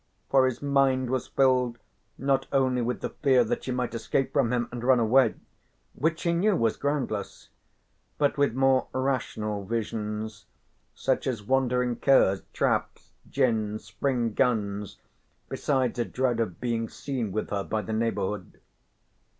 For his mind was filled not only with the fear that she might escape from him and run away, which he knew was groundless, but with more rational visions, such as wandering curs, traps, gins, spring guns, besides a dread of being seen with her by the neighbourhood.